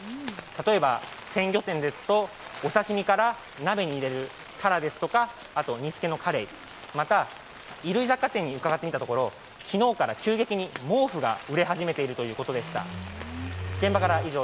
例えば鮮魚店ですと、お刺身から鍋に入れるたらですとか、煮つけのかれい、また衣類雑貨店にうかがってみこところ昨日から急激に毛布が売れ始めているということでした。